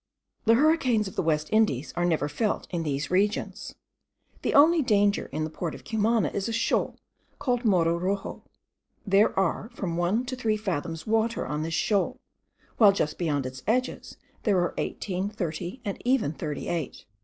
The hurricanes of the West Indies are never felt in these regions. The only danger in the port of Cumana is a shoal, called Morro Roxo. There are from one to three fathoms water on this shoal, while just beyond its edges there are eighteen, thirty, and even thirty eight.